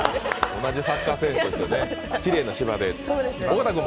同じサッカー選手としてね、きれいな芝で。